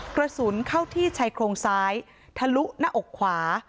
กระสุนเข้าที่ชายโครงซ้ายทะลุหน้าอกขวา